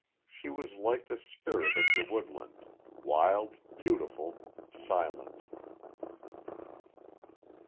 She was like the spirit of the woodland wild, beautiful, silent.